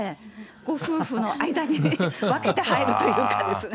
ご夫婦の間に、分けて入るというかですね。